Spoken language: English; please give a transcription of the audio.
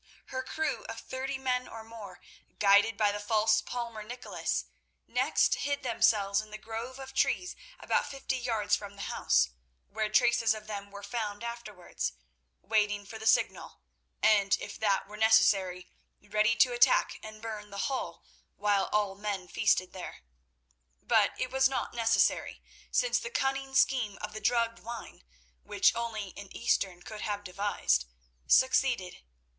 Her crew of thirty men or more, guided by the false palmer Nicholas, next hid themselves in the grove of trees about fifty yards from the house, where traces of them were found afterwards, waiting for the signal, and, if that were necessary, ready to attack and burn the Hall while all men feasted there. But it was not necessary, since the cunning scheme of the drugged wine, which only an Eastern could have devised, succeeded.